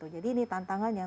jadi ini tantangan yang